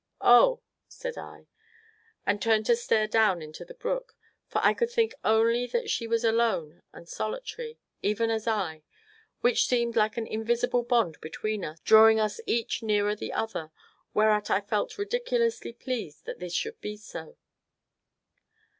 "Oh!" said I, and turned to stare down into the brook, for I could think only that she was alone and solitary, even as I, which seemed like an invisible bond between us, drawing us each nearer the other, whereat I felt ridiculously pleased that this should be so.